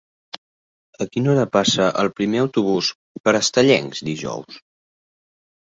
A quina hora passa el primer autobús per Estellencs dijous?